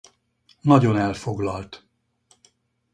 Nagyon elfoglalt!